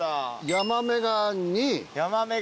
ヤマメが２。